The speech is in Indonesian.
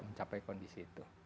mencapai kondisi itu